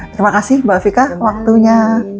terima kasih mbak fika waktunya